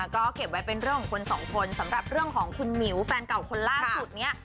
ก็เก็บไว้เป็นเรื่องของคนสองคนสำหรับเรื่องของคุณหมิวแฟนเก่าคนล่าสุดเนี่ย